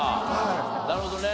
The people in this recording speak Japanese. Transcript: なるほどね。